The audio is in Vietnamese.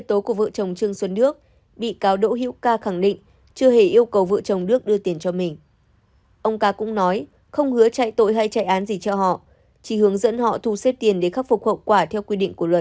ông ca cũng nói không hứa chạy tội hay chạy án gì cho họ chỉ hướng dẫn họ thu xếp tiền để khắc phục hậu quả theo quy định của luật